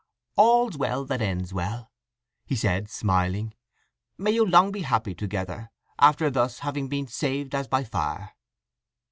"All's well that ends well," he said smiling. "May you long be happy together, after thus having been 'saved as by fire.